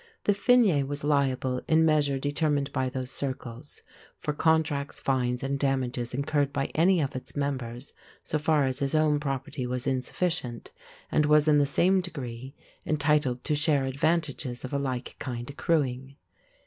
The fine was liable, in measure determined by those circles, for contracts, fines, and damages incurred by any of its members so far as his own property was insufficient, and was in the same degree entitled to share advantages of a like kind accruing.